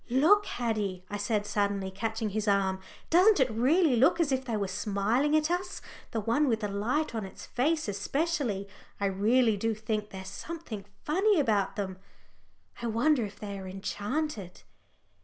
"Look, Haddie," I said suddenly, catching his arm, "doesn't it really look as if they were smiling at us the one with the light on its face especially? I really do think there's something funny about them I wonder if they are enchanted."